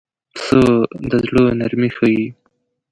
پسه د زړه نرمي ښيي.